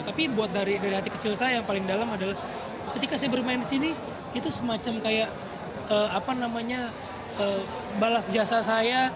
tapi buat dari hati kecil saya yang paling dalam adalah ketika saya bermain di sini itu semacam kayak apa namanya balas jasa saya